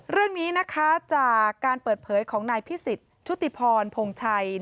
เรื่องนี้นะคะจากการเปิดเผยของนายพิสิทธิ์ชุติพรพงชัย